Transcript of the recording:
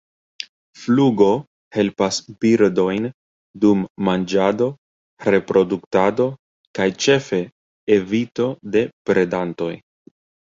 Flugo helpas birdojn dum manĝado, reproduktado kaj ĉefe evito de predantoj.